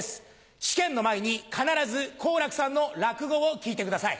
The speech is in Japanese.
試験の前に必ず好楽さんの落語を聞いてください。